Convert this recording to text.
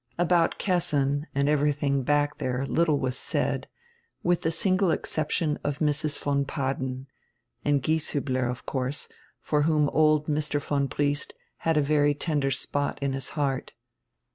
About Kessin and every diing back diere little was said, widi the single exception of Mrs. von Padden — and Gieshiibler, of course, for whom old Mr. von Briest had a very tender spot in his heart.